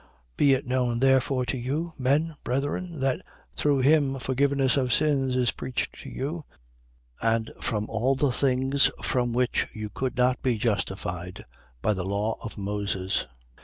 13:38. Be it known therefore to you, men, brethren, that through him forgiveness of sins is preached to you: and from all the things from which you could not be justified by the law of Moses.